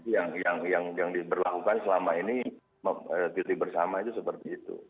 jadi yang diberlakukan selama ini cuti bersama itu seperti itu